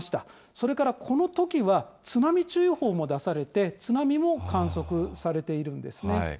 それからこのときは、津波注意報も出されて、津波も観測されているんですね。